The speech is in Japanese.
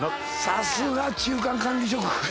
さすが中間管理職。